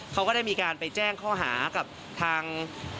เขาก็ได้มีการไปแจ้งข้อหากับทาง